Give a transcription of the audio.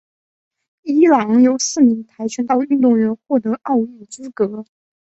伊朗有四名跆拳道运动员获得奥运资格。